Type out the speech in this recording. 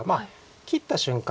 切った瞬間